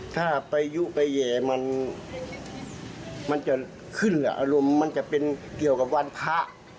ถ้าไปยุไปแห่มันจะขึ้นอารมณ์มันจะเป็นเกี่ยวกับวันพระ